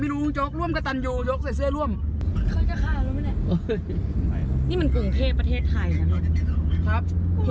นี้มันกรุ่งเทคประเทศไทยนะครับ